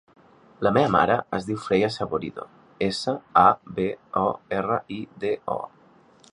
La meva mare es diu Freya Saborido: essa, a, be, o, erra, i, de, o.